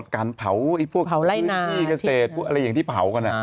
การเผาพวกที่เกษตรพวกอะไรอย่างที่เผากัน